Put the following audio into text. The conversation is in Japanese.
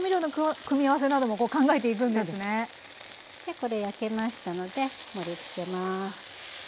これ焼けましたので盛りつけます。